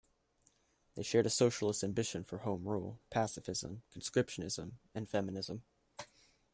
They shared a socialist ambition for home rule, pacifism, conscriptionism and feminism.